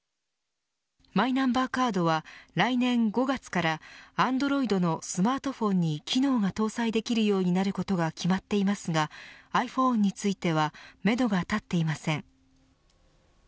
マイナンバーカードは来年５月からＡｎｄｒｏｉｄのスマートフォンに機能が搭載できるようになることが決まっていますがｉＰｈｏｎｅについてはめどが立っていません。